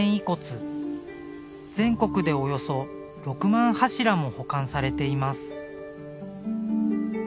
全国でおよそ６万柱も保管されています。